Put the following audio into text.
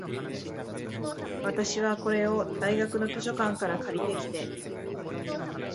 私は、これを大学の図書館から借りてきて、